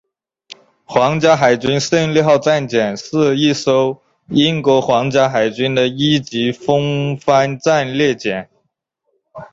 皇家海军胜利号战舰是一艘英国皇家海军的一级风帆战列舰。